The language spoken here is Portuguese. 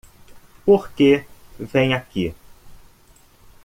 Por que vem aqui?